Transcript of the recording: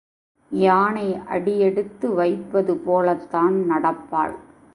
யானை அடியெடுத்து வைப்பது போலத்தான் நடப்பாள்.